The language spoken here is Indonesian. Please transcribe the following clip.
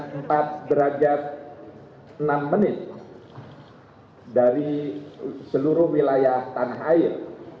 kami juga mendengarkan laporan dari enam wilayah tanah air